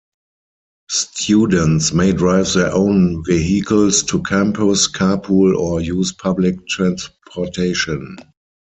Students may drive their own vehicles to campus, carpool, or use public transportation.